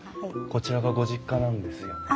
こちらがご実家なんですよね？